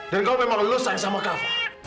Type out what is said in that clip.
dan kamu memang lulus sayang sama kava